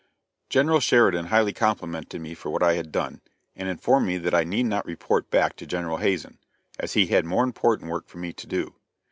General Sheridan highly complimented me for what I had done, and informed me that I need not report back to General Hazen, as he had more important work for me to do.